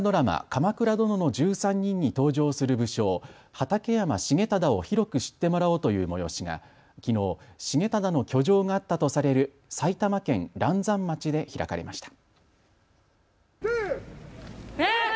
鎌倉殿の１３人に登場する武将、畠山重忠を広く知ってもらおうという催しがきのう、重忠の居城があったとされる埼玉県嵐山町で開かれました。